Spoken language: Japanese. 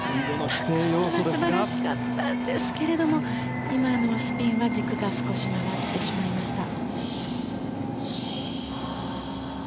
高さも素晴らしかったんですが今のスピンは軸が少し曲がってしまいました。